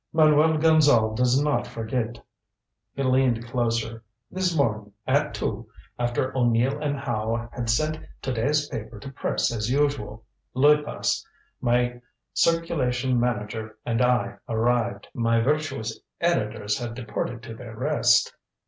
Manuel Gonzale does not forget." He leaned closer. "This morning at two, after O'Neill and Howe had sent to day's paper to press as usual, Luypas, my circulation manager, and I arrived. My virtuous editors had departed to their rest.